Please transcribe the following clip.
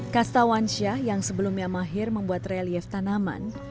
kastawansyah yang sebelumnya mahir membuat relief tanaman